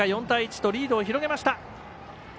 ４対１とリードを広げました。